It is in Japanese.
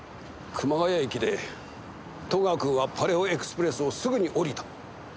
熊谷駅で戸川君はパレオエクスプレスをすぐに降りた。